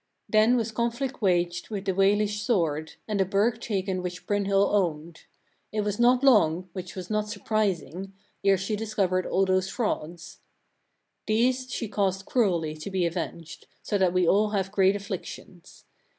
19. Then was conflict waged with the Walish sword, and the burgh taken which Brynhild owned. It was not long which was not surprising ere she discovered all those frauds. 20. These she caused cruelly to be avenged, so that we all have great afflictions.